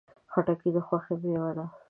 خټکی د خوښۍ میوه ده.